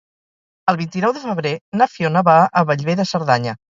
El vint-i-nou de febrer na Fiona va a Bellver de Cerdanya.